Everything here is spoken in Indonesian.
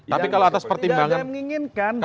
tapi kalau atas pertimbangan tidak tidak menginginkan